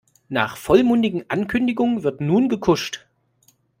Nach vollmundigen Ankündigungen wird nun gekuscht.